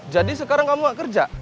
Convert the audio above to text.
jadi sekarang kamu gak kerja